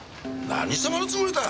何様のつもりだ！